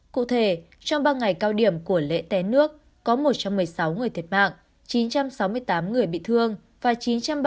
cụ thể trong ba ngày cao điểm của lễ té nước có một trăm một mươi sáu người thiệt mạng chín trăm sáu mươi tám người bị thương và chín trăm ba mươi sáu vụ tai nạn giao thông đường bộ